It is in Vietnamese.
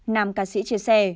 nam ca sĩ chia sẻ